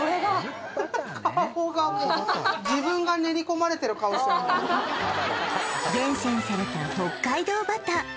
これが厳選された北海道バター